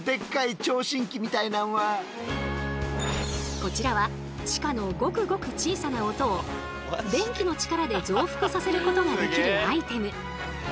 こちらは地下のごくごく小さな音を電気の力で増幅させることができるアイテム。